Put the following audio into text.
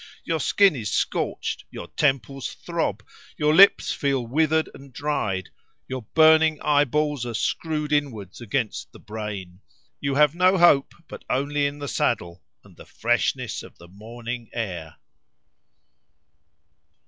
Your skin is scorched, your temples throb, your lips feel withered and dried, your burning eyeballs are screwed inwards against the brain. You have no hope but only in the saddle and the freshness of the morning air.